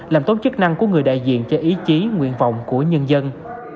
làm tốt chức năng của người đại diện cho ý chí nguyện vọng của nhân dân